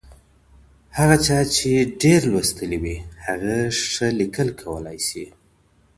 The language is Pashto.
هغه چا چي ډېر لوستلي وي هغه ښه ليکل کولای سي.